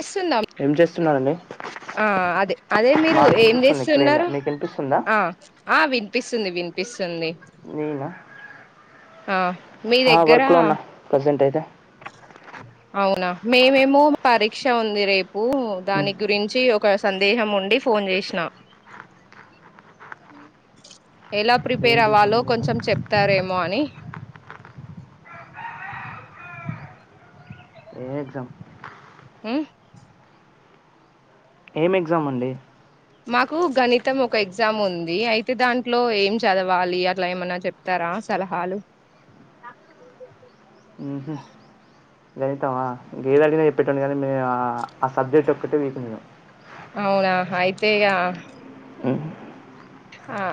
వినిపిస్తుందా ఏం జేస్తున్నారండే ఆ అదే అదే మీరు ఏం క్లియర్గా జేస్తున్నరు. మీకు వినిపిస్తుందా ఆ ఆ వినిపిస్తుంది వినప్ తుది నేనా ఆ మీ దగ్గర వర్క్లో ఉన్నా ప్రజెంట్ అయితే అవునా మేమేమో పరీక్ష ఉంది రేపు హ్మ్. దాని గురించి ఒక ఒక సందేహం ఉండి ఫోన్ చేసిన ఎలా ప్రిపేర్ ఏంటి అవ్వాలో సందేహం కొంచెం చెప్తారేమో అని ఏక్జం ఆ ఏం ఎగ్జామ్ అండి కు గణితం ఒక ఎగ్జామ్ ఉంది అయితే దాంట్లో ఏం చదవాలి అట్లా ఏమన్నా చెప్తారా అల హాలో గణితం హ వేరే అడిగితే చెప్పెటోనీ కానీ ఆ సబ్జెక్ట్ ఒక్కటే వీకుంది అవునా అయితే ఇగా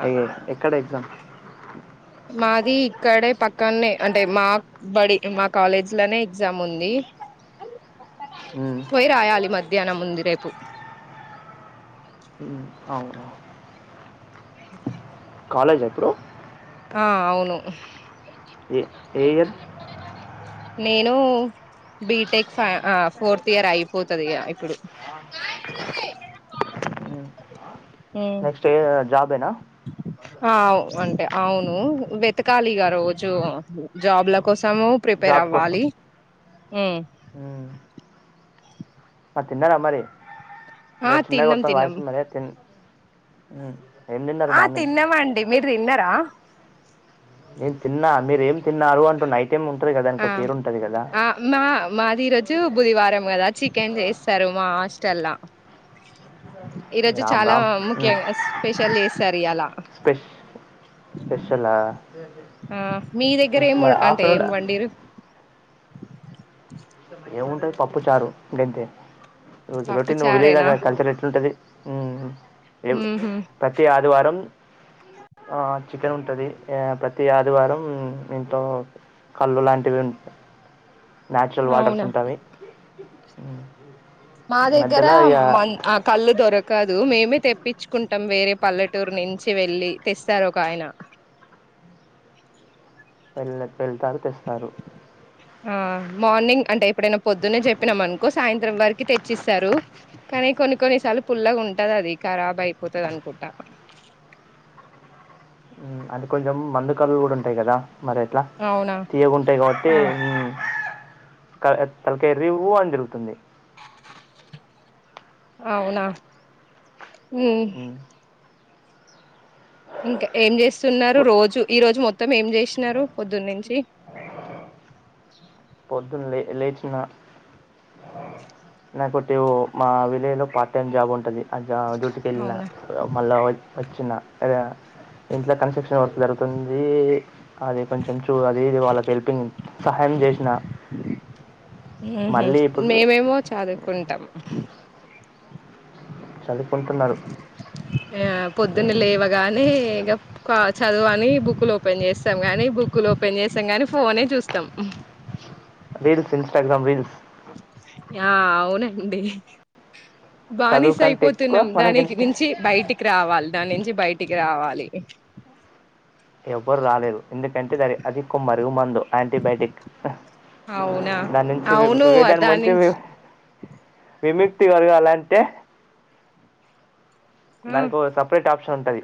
ఎ ఎక్కడ ఎగ్జామ్ మాది ఇక్కడే పక్కనే అంటే మా బడి మా కాలేజ్ లోనే ఎగ్జామ్ ఉంది మ్మ్. పోయి రాయాలి మధ్యాహ్నం ఉంది రేపు అవునా కాలేజ్ ఎప్పుడు ఆ అవును ఏ ఏ ఇయర్ నేను బీటెక్ ఫ ఫోర్త్ ఇయర్ అయిపోతది ఇగ ఇప్పుడు అ నెక్స్ట్ జాబ్ ఏనా ఆ అంటే అవును వెతకాలిగ రోజు జాబ్ల కోసం ము ప్రిపేర్ జాబ్ కోసం అవ్వాలి మ్మ్. మరి తిన్నార మరి ఆ అ చిన్నగా తిన్నాం వత్తాంది తిన్నాం వాయిసు మరి తి అ ఆ తిన్నాం అండి మీరు తిన్నారా నేను తిన్నా మీరేం తిన్నారు అంటన్న ఆ ఆ మా మాది ఈరోజు బుధవారం కదా చికెన్ చేస్తారు మా హాస్టల్లా ఈ రోజు రామ్ చాలా రామ్ ముఖ్య మ్మ్. స్పెషల్ చేస్తారు ఇయలా స్పెష్ స్పెషల్ ఆ ఆ మీ దగ్గర ఏం అంటే ఏం ఆఫ్టర్నూన్ వండిరూ ఏముంటది పప్పు చారు గాంతే రోజు పప్పు రోటీన్ విలేజ్ చారేనా దగ్గర కల్చర్ ఎట్లుంటది ఉహు ప్రతి ఆదివారం ఆ చికెన్ ఉంటది ప్రతి ఆదివారం ఇట్ కళ్ళు లాంటివి న్యాచురల్ వాటర్స్ అవునా ఉంటావి మా దగ్గర మ ఆ కళ్ళు దొరక దు మేమే తెప్పించుకుంటాం వేరే పల్లెటూరు నుంచి వెళ్ళి తెస్తారు ఒక ఆయన వెన్న ఆ మార్నింగ్ అంటే ఎప్పుడైనా పొద్దున్న చెప్పినాం అనుకో సాయంత్రం వరకు తెచ్చిస్తారు కానీ కొన్ని కొన్ని సార్లు పుల్లగా ఉంటది అది ఖరాబ్ అయిపోతది అనుకుంటా హ్మ్ అంటే కొంచెం మందు కల్లులు కూడా ఉంటాయి కదా మరి ఎట్లా అవునా తీయగుంటాయి కాబట్టి ఆ హ్మ్ కర్ తలకాయి రివ్వు అని తిరుగుతుంది అవునా హు మ్, ఇంకా ఏం చేస్తున్నారు పొ- రోజు ఈ రోజు మొత్తం ఏం చే పొద్దున్న నుంచి పొద్దున్న లే లేచిన నాకోటి మా విలేజ్ లో పార్ట్ టైమ్ జాబ్ ఉంటది అ డ్యూటీకి వెళ్ళిన అవునా మళ్ళా వచ్చిన ఇంట్లో కన్స్ట్రక్షన్ వర్క్ జరుగుతుంది అది కొంచెం చూ అదీది వాళ్ళకి హెల్పింగ్ సహాయం చేసి న హ్మ్ హు మేమేమో చదువుకుంటాం చదువుకుంటున్నారు ఆ పొద్దున్న లేవగానే ఇక కాచు చదువు అని ఈ బుక్లు ఓపెన్ చేస్తాం గానీ బుక్కులు ఓపెన్ చేస్తాం గాని ఫోనే చూస్తాం రీల్స్ ఇన్స్టాగ్రమ్ రీల్స్ ఆ అవునండి చదువు బానిస కంటే ఎక్కువ అయిపోతున్నాం మనకి [unintelligible] ఇన్స్టా నుంచి బయటికి రావ దాని నుంచి బయటికి రావాలి ఎవరు రాలేదు ఎందుకంటే అది అది ఒక మరుగు మందు యాంటీబయాటిక్ అవునా దాని నుంచి దాని నుంచి విముక్తి కలగాలి అంటే దానికి సపరేట్ ఓ ఆప్షన్ ఉంటది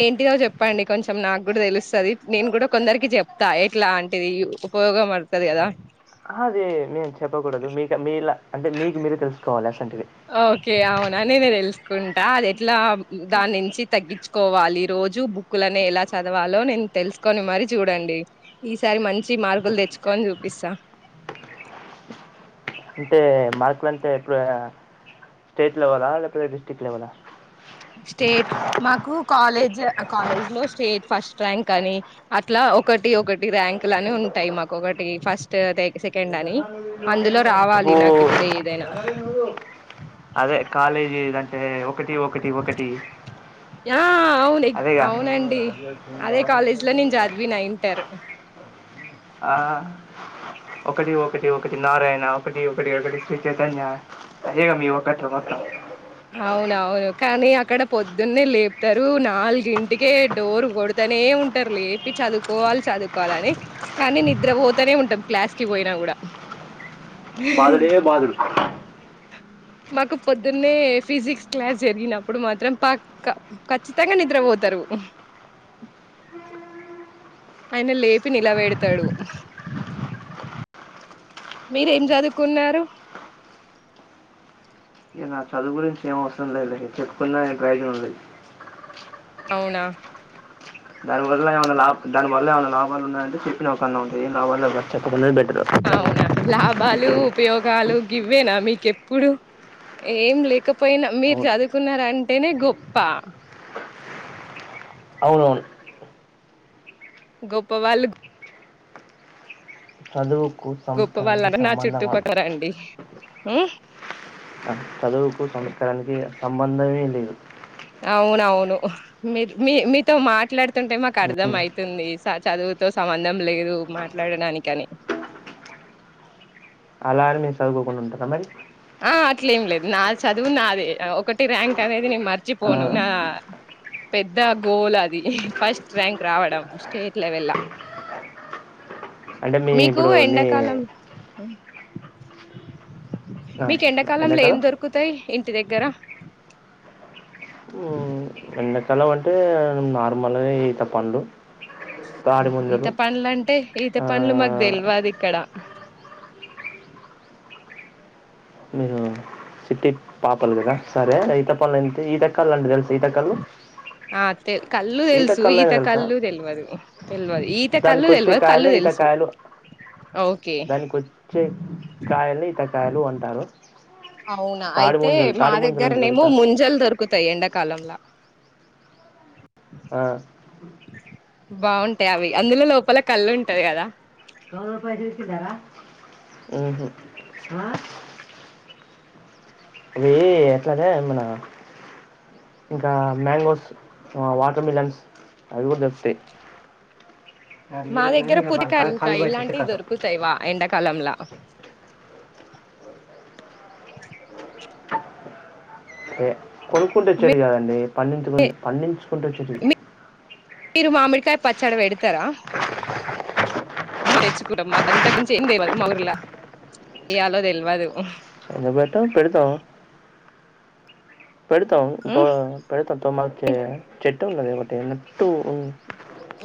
ఏంటిదో చెప్పండి కొంచెం నాకు కూడ తెలుస్తది నేను కూడా కొందరికి చెప్తా ఎట్లాంటిది ఉపయోగం పడతది గదా అదే మేము చెప్పకూడదు మీక మీలా అంటే మీకు మీరే తెలుసుకోవాలే ఓకే అవునా నేను తెలుసుకుంటా అది ఎట్లా దాని నుంచి తగ్గించుకోవాలి రో బుక్కులనే ఎలా చదవాలో నేను తెలుసుకొని మరి చూడండి ఈసారి మం మంచి మార్కులు తెచ్చుకోని చూపిస్త అంటే మార్కులు అంటే [unintelligible] స్టేట్ లవెల లేకపోతే డిస్ట్రిక్ట్ లవెలా స్టేట్ మాకు కాలేజ్ కాలేజ్ లో స్టేట్ ఫస్ ర్యాంక్ అని అట్లా ఒకటి ఒకటి ర్యాంక్ లు అని ఉంటాయి మాకు ఒకటి ఫస్ట్ సెకండ్ అని అందులో రావాలి నాకు ఇప్పుడు ఏదైనా అదే కాలేజీ అంటే ఒకటి ఒకటి ఒకటి ఆ అవును అదే గా [inaudible] అవునండి అదే కాలేజ్ లో నేను చదివిన ఇంటర్ ఆ ఒకటి ఒకటి ఒకటి నారాయణ ఒకటి ఒకటి ఒకటి శ్రీ చైతన్య ఇవేగా మీ ఒకట్లు మొత్తం అవునవును కానీ అక్కడ పొద్దున్నే లేపుతారు నాలుగింటికే డోర్ కొడతనే ఉంటారు లేపి చదువుకోవాలి చదువుకోవాలని కానీ నిద్రపోతూనే ఉంటాం క్లాస్ కి పోయినా కూడ బాదుడే బాదుడు మాకు పొద్దున్నే ఫిజిక్స్ క్లాస్ జరిగినప్పుడు మాత్రం పక్కా ఖచ్చితంగా నిద్రపోద్దు తరు హ ఆయన లేపి నిలవేడతాడు మీరేం చదువుకున్నారు ఇక నా చదువు గురించి ఏం అవసరం లేదులే చెప్పుకున్నా ఏం ప్రయోజనం లేదు అవునా దాని వల్ల ఏమన్నా లా దాని వల్ల ఏమైనాలాభాలు ఉన్నాయంటే చెప్పిన ఒక అందం ఉంటది ఏ లాభాల్లేవు [unintelligible] అవునా లాభాలు ఉపయోగాలు గివ్వేనా మీకెప్పుడు ఏం లేకపోయినా మీరు అవును చదువుకున్నారూ అంటేనే గొప్ప అవునవును గొప్ప వాళ్ళు హలో గొప్ప వాళ్ళ నా చుట్టుపక్క రండి ఆ చదువుకు సంస్కారానికి సంబంధమే లేదు అవునవును మీ మీ మీతో మాట్లాడుతుంటే మాకు అర్థం ఉమ్. అయితుంది చదువు వుతో సంబంధం లేదు మాట్లాడడానికి అని అలానీ మీరు చదువుకో కుండా ఉంటారా మరి ఆ అట్లే ఏం లేదు నా చదువు నాది ఒకటి ర్యాంక్ అనేది నేను ఆ, మర్చిపోను నా పెద్ద గోల్ అది ఫస్ట్ ర్యాంక్ రావడం స్టేట్ లెవెల అ అంటే మీ ఇప్పుడు నీ ఎండాకాలం హ్మ్. ఆ, మీకు ఎండాకాలంలో ఏం ఎండాకాలం దొరుకుతాయి ఇంటి దగ్గర ఎండకాలం అంటే నార్మల్ గా ఈత పంలు ఈత పండ్లు అంటే ఈత పండ్లు మాకు తెలివది క్కడ సిట్టి పాపల్ కద సరే ఈతపల్ ఎంత ఈత కల్ అండి తెలుస ఈత కలు ఆ తె కళ్ళు తెలుసు ఈత కళ్ళు తెలియదు తెలివదు ఈత కళ్ళు దానికి వచ్చే తెలియదు కళ్ళు కాయలే తెలుసు ఈతకాయలు ఓకే దానికి వచ్చే కాయలన్నీ ఇతకాయలు అంటారు అవునా తాడి అయితే ముంజలు మా తాడి ముంజలు అంటే దగ్గరనేమో తెలుసా ముంజలు దొరుకుతాయి ఎండా కాలంలా ఆ బాగుంటాయి అవి అందులో లోపల కళ్ళు ఉంటది కదా ఉమ్ హు అవీ ఎట్లాంటే మన ఇంకా మ్యాంగోస్ వాటర్ మిలన్స్ అవి కూడా దోరుకుతాయి మా దగ్గర పుటికాయల్ మన ఇంకా కాళ్ళు బట్టి ఇలాంటివి కథ దొరుకుతాయివా ఎండాకాలంలో ఓహో అంటే కొనుక్కుంటె వచ్చేటివి కదండి పండించుకు పండించుకుంటుచ్చేటివి మీరు మామిడికాయ పచ్చడి పెడతారా మా తెచ్చకుటమ్ అంతకుమించి తెేలవదు మా ఊరులా ఏయలో తెల్వదు ఎందుకు పెట్టాం పెడతాం పెడతాం తో పా ఉమ్ పెడతాం తో మా చెట్ ఉన్నది ఒకటి ఉన్-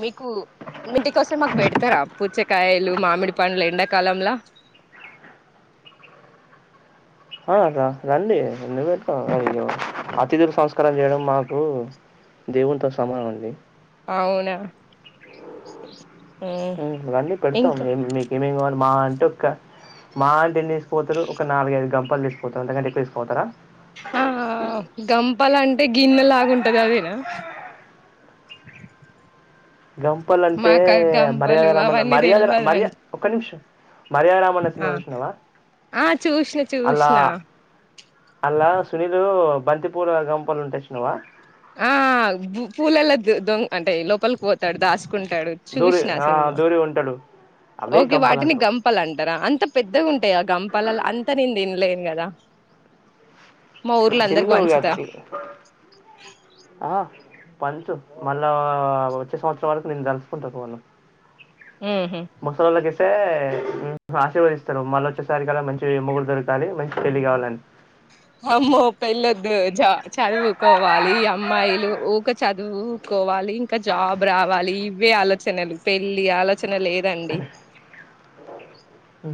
మీకు మీ ఇంటి కోస్తే మాకు పెడతారా పూచ్చకాయలు మామిడి పండ్లు ఎండాకాలంలో ఆ రండి ఎందుకు పెడతాం అయ్యో అతిథులు సంస్కారం చేయడం మాకు దేవునితో సమానం అండి అవునా ఉమ్ రండి పెడతాం ఇంకా మీ మీకేమేమి కావాలి మహా అంటే ఒక్క మహా అంటే ఎన్ని తీపోతారు ఒక నాలుగు ఐదు గంపాలు తీసిపోతారు అంతకంటే ఎక్కువ తీసుపోతారా ఆ ఆ గంపలంటె గిన్నె లాగుంటది అదేనా గంపలంటే మాకు గంపలు మర్యాద రమన్న అవన్నీ మర్యాద మర్య తెల్వదండి ఒక నిమిషం మర్యద రామన్న ఆ సినిమా చూసినావా ఆ చూసినా చూసిన అల్లా సునీలు బంతిపూల గంపలు ఉంటే చూసినావ ఆ బు పూలలా దొంగ అంటే లోపలికి పోతాడు దాస్ కుంటాడు దూరి చూసిన ఆ సినిమా దూరి ఉంటాడు అవే ఓకే గంపలు వాటిని అంటారు గంపల్ అంటారా అంత పెద్దగా ఉంటాయా గంపలాలు అంత న ద లేను కదా మా ఊర్ల అందరికి తినలేవు మంచతా కాదు ఆ పంచు మళ్ళా వచ్చే సంవత్సరం వరకు నేను దలుచుకుంటాను వాళ్ళం ఉహు పేయి ఆశీర్వదిస్తారు మళ్ళ వచ్చేసరి కాల మంచి మొగులు దొరకాలి మంచి పెళ్ళి కావాలిని అమ్మో పెళ్లద్దు చదువుకోవాలి అమ్మాయిలు ఊక చదువుకోవాలి ఇంకా జాబ్ రావాలి ఇవే ఆలోచనలు పెళ్లి ఆలోచన లేదండి అ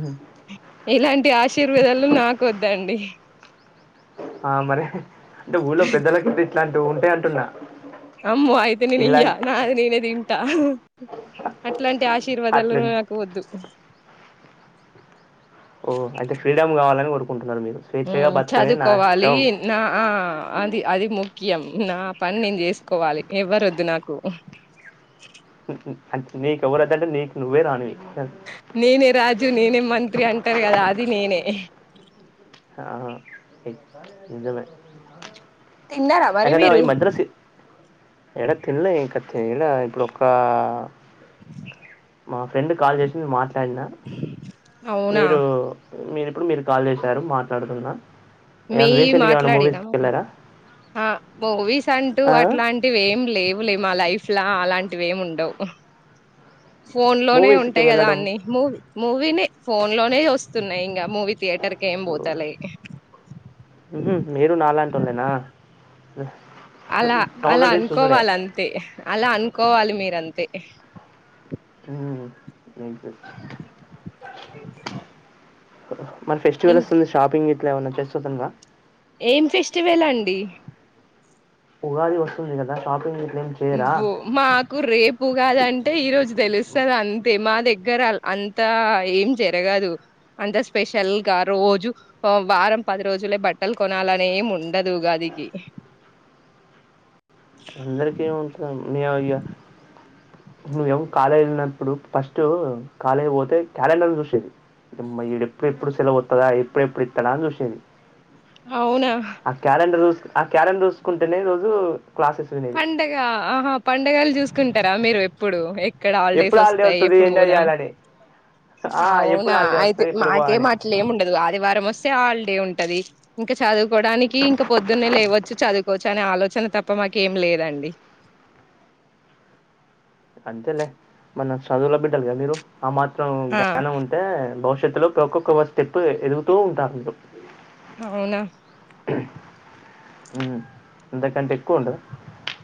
ఇలాంటి ఆశీర్వేదాలు నాకు వద్దండి ఆ మరి అంటే ఊళ్ళో పెద్దల క్రింద ఇట్లాంటివి ఉంటాయి అంటున్నా అమ్మో అయితే నేన ఇయ్య ఇలాంటి నా నేనేది ఇంటా అట్లాంటి అట్లా ఆశీర్వాదాలు నాకు వద్దు ఓ అయితే ఫ్రీడమ్ కావాలని కోరుకుంటురు చదువుకోవాలి నా అది అది ము ముఖ్యం నా పని నేను చేసుకోవాలి ఎవ్వరద్దు నాకు అంటే నీకు ఎవరైతే అంటే నీకు నువ్వే రాణి నేనే రాజు నేనే మంత్రి అంటారు కదా అది నేనే ఆహా నిజమే తిన్నారా మరి ఎకడ మీరు ఈ మద్ర్రాసుీఎడ తినలే అడ ఇప్పుడొక్కా మా ఫ్రెండ్ కాల్ చేసి మీ మాట్లాడినా అవునా మీరు మీరు ఇప్పుడు మీరు కాల్ చేసారు మాట్లాడుతున్నా మీ ఏమైనా రీసెంట్గా ఏమైనా మాట్లాడరా మూవీస్కి మరి వెళ్ళారా బవిస్ అంటూ అట్లాంటివి ఏం లేవులే మా లైఫ్ లా అలాంటివి ఏమి ఉండవు ఫోన్ లోనే మూవీస్కి ఉంటాయి కదా వెళ్ళడం అన్ని మూవీ మూవీనే ఫోన్ లోనే వస్తున్నాయి ఇంకా మూవీ థియేటర్ క ఏంపోతల మీరు నాలాంటి ఉన్నానా అలా అలా అనుకోవాలి అంతే అలా అనుకోవాలి మీర అంతే ని మరి ఫెస్టివల్ ఇం వస్తుంది షాపింగ్ ఇట్లా ఏమైన్నా చేస్తుగా ఏం ఫెస్టివల్ అండి ఉగాది వస్తుంది కదా షాపింగ్ ఇట్లా ఏం చేయరా మాకు రేపు ఉగాది అంటే ఈ రోజు తెలుస్తుంది అంతే మా దగ్గర దగ్గరాలు అంతా ఏం జరగదు అంత స్పెషల్ గా రోజు వారం పది రోజులే బట్టలు కొనాలనేం ఉండదు ఉగాదికి అందరికి నయ్యా నువ్వేమ కాలేజీ ఉన్నప్పుడు ఫస్ట్ కాలేజీ పోతే క్యాలెండర్ చూసేది ఇమడు ఎప్పుడు ఎప్పుడు సెవ తుదా ఎప్పుడు ఎప్పుడు ఇస్తాడా అ విషయంనే అవునా ఆ క్యారం రూసుకుంటేనే ఈ రోజు క్లాసెస్ వినేది పండగ ఆహా పండగలు చూసుకుంటారా మీరు ఎప్పుడు ఇక్కడ హాలిడేస్ ఎప్పుడు హాలిడే వస్తాయి వస్తుంది ఎప్పుడు ఎంజాయ్ పోదం చేయాలని "ఆ, ఎప్పుడు అవునా హాలిడే అయితే వస్తుంది ఎప్పుడు పో" మాకే అని అట్లే ఏమి ఉండదు ఆదివారం వస్తే హాలిడే ఉంటది ఇంకా చదువుకోవడానికి ఇంకా పొద్దున్నే లేవచ్చు చదువుకోవచ్చు అనే ఆలోచన తప్ప మా క ఏం లేదండి అంతేలే మన చదువుల బిడ్డాలి కదా మీరు ఆ మాత్రం ఆ జ్ఞానం ఉంటే భవిష్యత్ తు ఒక్కొక్క స్టెప్ ఎదుగుతూ ఉంటారు అవునా అంతకంటే ఎక్కువ ఉంటదా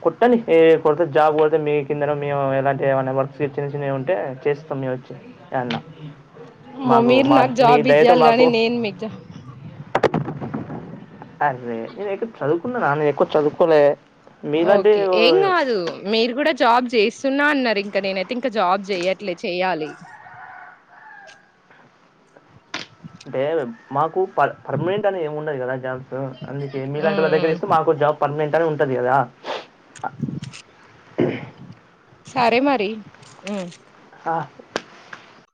కుట్టని ఏ కొడితే జాబ్ కొడితే మీ కిందనో మేము ఎలాంటియో ఏమన్న వర్క్స్ చిన్న చిన్నై ఉంటే చేస్తాం వచ్చి అండ మో మాకు మీరు మా నాకు మీ జాబ్ దయతో ఇయ్యాలి గాని మాకు నేను మీకు జాబ్ నేను ఎక్కువ చదువుకున్నానా నేను ఎక్కువ చదువుకోలే మీలాంటి ఓకే ఏం కాదు మీరు కూడా జాబ్ చేస్తున్నా అన్నారు ఇంక నేనైతే ఇంకా జాబ్ చేయట్లే చెయ్యాలి అంటే మాకు పర్ పర్మినెంట్ అని ఏమి ఉండదు కదా జాబ్ అందుకే మీ లాంటి వాళ్ళ ఉమ్ దగ్గర చేస్తే మాకు జాబ్ పర్మనెంట్ అని టాది సరే మరి ఆ